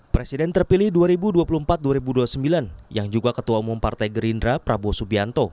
presiden terpilih dua ribu dua puluh empat dua ribu dua puluh sembilan yang juga ketua umum partai gerindra prabowo subianto